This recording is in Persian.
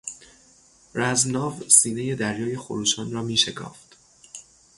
رزمناو سینهی دریای خروشان را میشکافت.